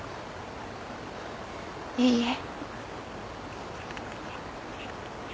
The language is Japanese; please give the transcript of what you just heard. いいえ。